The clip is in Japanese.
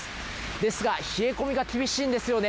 ですが冷え込みが厳しいんですよね。